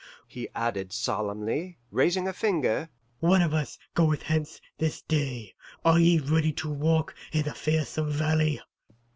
he added solemnly, raising a finger. 'One of us goeth hence this day; are ye ready to walk i' the fearsome valley?